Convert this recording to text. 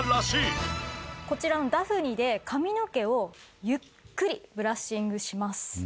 こちらのダフニで髪の毛をゆっくりブラッシングします。